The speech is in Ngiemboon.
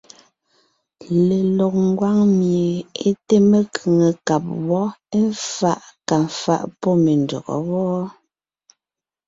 Lelɔg ngwáŋ mie é té mekʉ̀ŋekab wɔ́, éfaʼ kà faʼ pɔ́ me ndÿɔgɔ́ wɔ́ɔ.